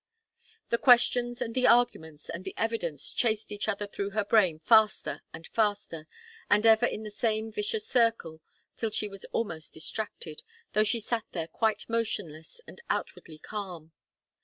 The questions and the arguments and the evidence chased each other through her brain faster and faster, and ever in the same vicious circle, till she was almost distracted, though she sat there quite motionless and outwardly calm.